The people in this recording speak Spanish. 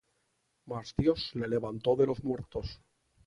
Mas Dios le levantó de los muertos.